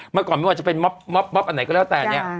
เมื่อก่อนไม่ว่าจะเป็นม็อบอันไหนก็แล้วแต่เนี่ย